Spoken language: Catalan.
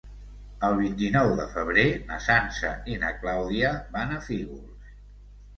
El vint-i-nou de febrer na Sança i na Clàudia van a Fígols.